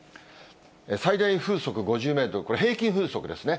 最大風速５０メートル、これ、平均風速ですね。